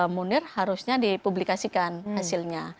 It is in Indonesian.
munir harusnya dipublikasikan hasilnya